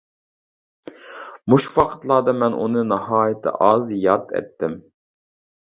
مۇشۇ ۋاقىتلاردا، مەن ئۇنى ناھايىتى ئاز ياد ئەتتىم.